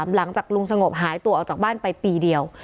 หลังจากลุงสงบหายตัวออกจากบ้านไปปีเดียว